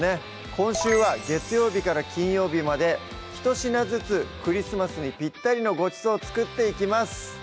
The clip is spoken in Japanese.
今週は月曜日から金曜日までひと品ずつクリスマスにぴったりのごちそうを作っていきます